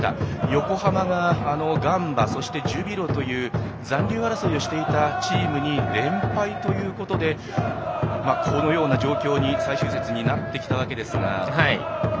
横浜が、ガンバそしてジュビロという残留争いをしていたチームに連敗ということでこのような状況に最終節になってきたわけです。